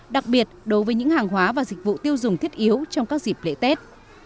đặc biệt đối với những hàng hóa và dịch vụ tiêu dùng thiết yếu trong các dịp lễ tết